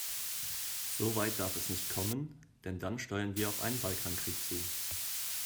So weit darf es nicht kommen, denn dann steuern wir auf einen Balkankrieg zu.